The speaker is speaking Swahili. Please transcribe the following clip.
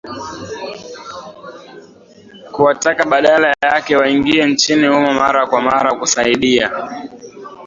kuwataka badala yake waingie nchini humo mara kwa mara kusaidia